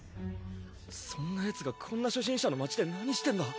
そんなヤツがこんな初心者の街で何してんだ？